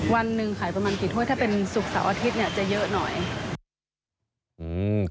วันหนึ่งขายประมาณกี่ถ้วยถ้าเป็นศุกร์เสาร์อาทิตย์เนี่ยจะเยอะหน่อย